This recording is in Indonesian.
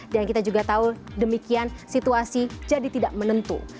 dan kita juga tahu demikian situasi jadi tidak menentu